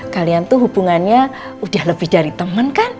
kalian tuh hubungannya udah lebih dari temen kan